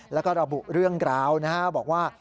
แล้วก็ระบุเรื่องราวนะฮะบอกว่า